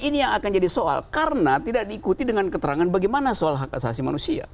ini yang akan jadi soal karena tidak diikuti dengan keterangan bagaimana soal hak asasi manusia